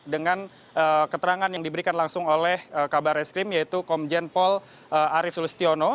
dengan keterangan yang diberikan langsung oleh kabar reskrim yaitu komjen pol arief sulistiono